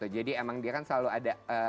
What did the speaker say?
jadi emang dia kan selalu ada